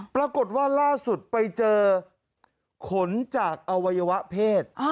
ปรากฏว่าล่าสุดไปเจอขนจากอวัยวะเพศ